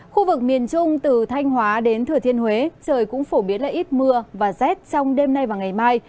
khu vực miền trung từ thanh hóa đến thừa thiên huế trời cũng phổ biến là ít mưa và rét trong đêm nay và ngày mai